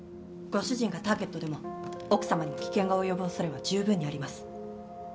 ご主人がターゲットでも奥様にも危険が及ぶ恐れは十分にあります。